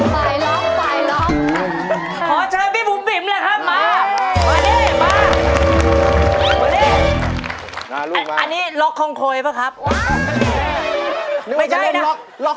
สายร็อกสายร็อก